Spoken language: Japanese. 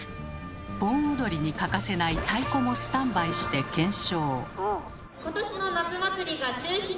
盆踊りに欠かせない太鼓もスタンバイして検証。